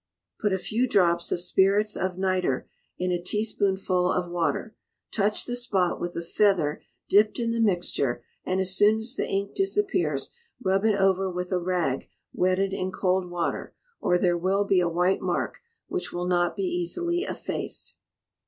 Put a few drops of spirits of nitre in a teaspoonful of water; touch the spot with a feather dipped in the mixture, and as soon as the ink disappears, rub it over with a rag wetted in cold water, or there will be a white mark, which will not be easily effaced.